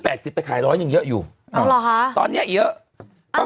เป็นการกระตุ้นการไหลเวียนของเลือด